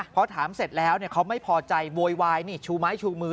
พอถามเสร็จแล้วเขาไม่พอใจโวยวายนี่ชูไม้ชูมือ